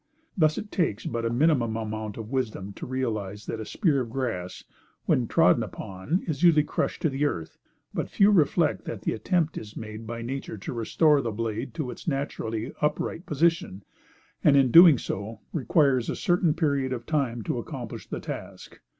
Thus, it takes but a minimum amount of wisdom to realize that a spear of grass, when trodden upon, is usually crushed to the earth; but, few reflect that the attempt is made by nature to restore the blade to its naturally upright position, and in doing so, requires a certain period of time to accomplish the task.